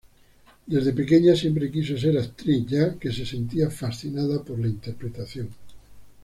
Desde pequeña siempre quiso ser actriz ya que se sentía fascinada por la interpretación.